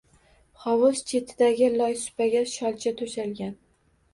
Hovuz chetidagi loysupaga sholcha to‘shalgan.